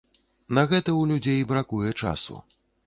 На гэта ў людзей бракуе часу.